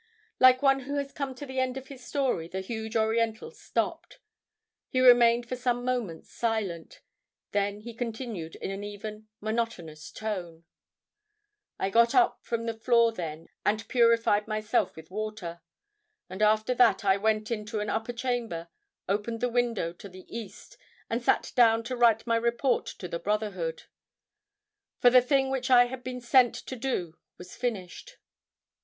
Like one who has come to the end of his story, the huge Oriental stopped. He remained for some moments silent. Then he continued in an even, monotonous voice: "I got up from the floor then, and purified myself with water. And after that I went into an upper chamber, opened the window to the east, and sat down to write my report to the brotherhood. For the thing which I had been sent to do was finished."